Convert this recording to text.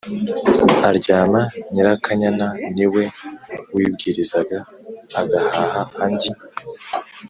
aryama. Nyirakanyana ni we wibwirizaga agahaha andi